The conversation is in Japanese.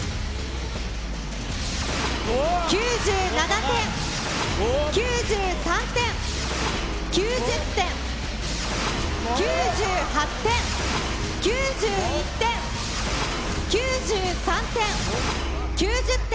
９７点、９３点、９０点、９８点、９１点、９３点、９０点。